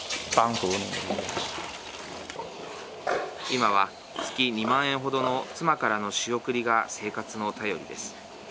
今は月２万円程の妻からの仕送りが生活の頼りです。